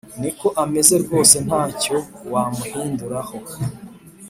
Niko ameze rwose ntacyo wamuhindura ho